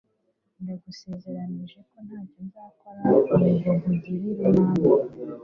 Ndagusezeranije ko ntacyo nzakora ngo nkugirire nabi